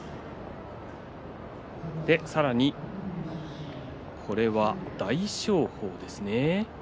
さらにこれは大翔鵬です。